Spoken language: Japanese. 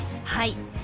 はい。